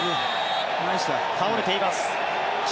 倒れています。